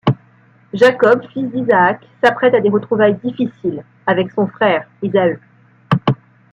Jacob, fils d'Isaac, s'apprête à des retrouvailles difficiles avec son frère Esaü.